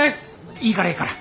いいからいいから。